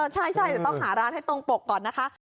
ใช่เดี๋ยวต้องหาร้านให้ตรงปกก่อนนะคะ